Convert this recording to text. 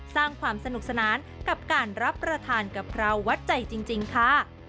สร้างความสนุกสนานกับการรับประทานกะเพราวัดใจจริงค่ะ